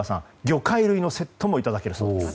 魚介類のセットもいただけるそうです。